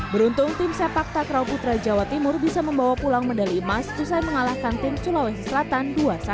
beruntung tim sepak takraw putra jawa timur bisa membawa pulang medali emas usai mengalahkan tim sulawesi selatan dua satu